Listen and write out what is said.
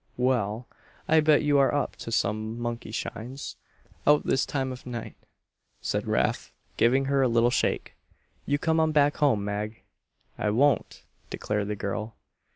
"Well, I bet you are up to some monkey shines, out this time of night," said Rafe, giving her a little shake. "You come on back home, Mag." "I won't!" declared the girl.